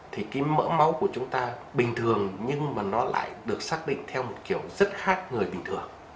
thì cái mỡ máu của chúng ta bình thường nhưng mà nó lại được xác định theo một kiểu rất khác người bình thường